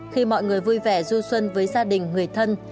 khi mọi người vui vẻ du xuân với gia đình người thân